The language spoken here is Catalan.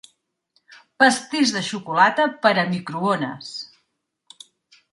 Pastís de xocolata per a microones